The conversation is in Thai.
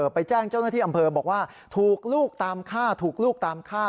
ไปแจ้งเจ้าหน้าที่อำเภอบอกว่าถูกลูกตามฆ่าถูกลูกตามฆ่า